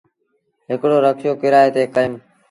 هڪڙو رڪشو ڪرئي تي ڪيٚم ۔